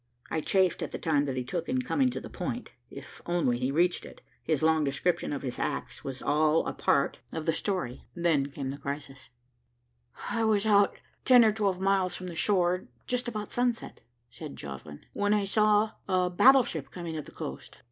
I chafed at the time that he took in coming to the point. If he only reached it, his long description of his acts was all a part of the story. Then came the crisis: "I was out ten or twelve miles from shore, just about sunset," said Joslinn, "when I saw a battleship coming up the coast.